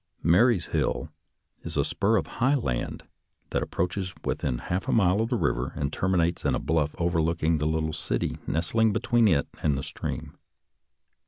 ••« Marye's Hill is a spur of high land that approaches within half a mile of the river and terminates in a bluff overlook ing the little city nestling between it and the stream.